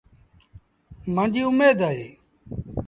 مآݩجيٚ اُميد اهي۔